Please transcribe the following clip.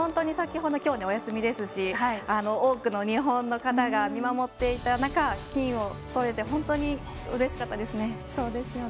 今日はお休みですし多くの日本の方が見守っていた中金をとれて本当にうれしかったですね。